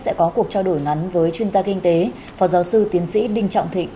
sẽ có cuộc trao đổi ngắn với chuyên gia kinh tế phó giáo sư tiến sĩ đinh trọng thịnh